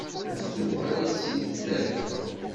Ad tuɣal ad tt-id-taf.